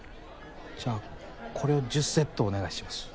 じゃあこれを１０セットお願いします。